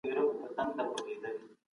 مناسب خوب د دماغ ساتنه کوي.